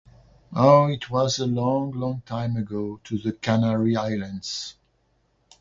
Oh, it was a long, long time ago to the Canary Islands.